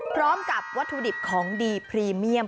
พร้อมกับวัตถุดิบของดีพรีเมียม